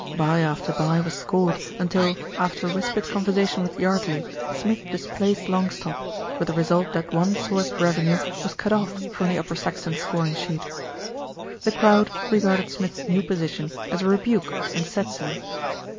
Bye after bye was scored until, after a whispered conversation with Yardley, Smith displaced long stop, with the result that one source of revenue was cut off from the Upper Saxton scoring sheet. The crowd regarded Smith's new position as a re buke, and said so.